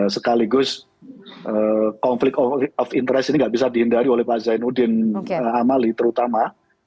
sekaligus konflik of interest ini nggak bisa dihindari oleh pak zainuddin amali terutama